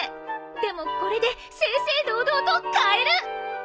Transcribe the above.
でもこれで正々堂々と買える！